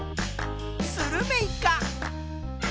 スルメイカ。